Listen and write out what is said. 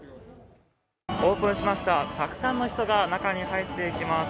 オープンしました、たくさんの人が、中に入っていきます。